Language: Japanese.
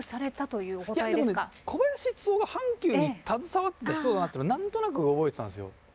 いやでもね小林一三が阪急に携わってた人だなっていうのは何となく覚えてたんですよ。